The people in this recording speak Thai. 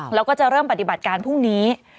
แล้วก็จะเริ่มปฏิบัติการพรุ่งนี้